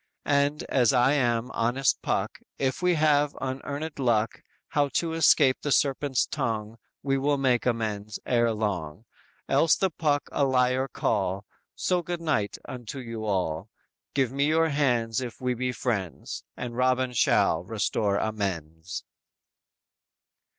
And, as I am honest Puck, If we have unearned luck, How to escape the serpent's tongue, We will make amends ere long; Else the Puck a liar call, So good night unto you all, Give me your hands if we be friends, And Robin shall restore amends!"